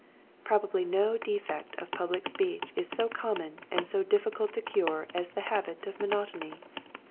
Probably no defect of public speech is so common and so difficult to cure as the habit of monotony.